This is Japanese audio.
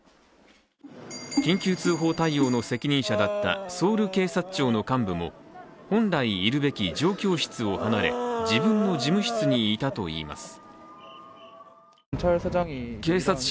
緊急通報対応の責任者だったソウル警察庁の幹部も本来いるべき状況室を離れ自分の事務室にいたといいます。